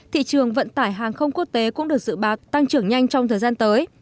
thị trường vận tải hàng không quốc tế cũng được dự báo tăng trưởng nhanh trong thời gian tới